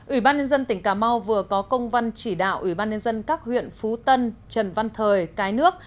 ủy ban nhân dân tỉnh cà mau vừa có công văn chỉ đạo ủy ban nhân dân các huyện phú tân trần văn thời cái nước